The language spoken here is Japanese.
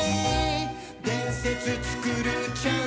「でんせつつくるチャンスっしょ」